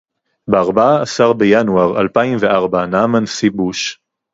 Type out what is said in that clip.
בארבעה עשר בינואר אלפיים וארבע נאם הנשיא בוש